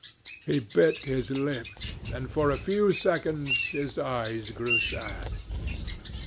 He bit his lip, and for a few seconds his eyes grew sad.